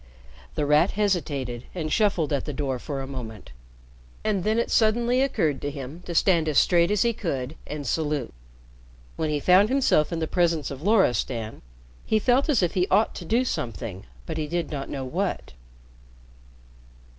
The Rat hesitated and shuffled at the door for a moment, and then it suddenly occurred to him to stand as straight as he could and salute. When he found himself in the presence of Loristan, he felt as if he ought to do something, but he did not know what.